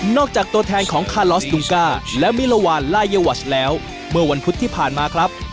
จากตัวแทนของคาลอสดุก้าและมิลวานลายวัชแล้วเมื่อวันพุธที่ผ่านมาครับ